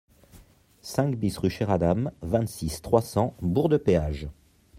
cinq BIS rue Chéradame, vingt-six, trois cents, Bourg-de-Péage